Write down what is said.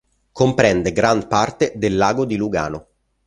Comprende gran parte del Lago di Lugano.